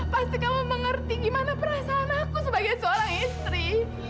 pasti kamu mengerti gimana perasaan aku sebagai seorang istri